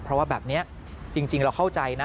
เพราะว่าแบบนี้จริงเราเข้าใจนะ